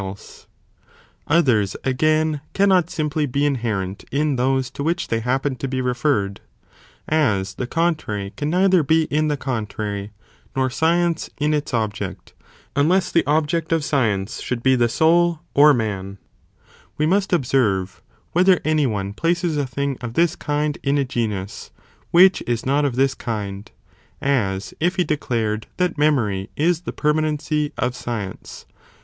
433 else ;) others, again, cannot simply be inherent in those to which they happen to be referred, (as the contrary can neither be in the contrary, nor science in its object, unless the object of science should be the soul or man;) we must observe, whether any one places a thing of this kind in a genus, which is not of this kind, as if he declared that memory is the permanency of science.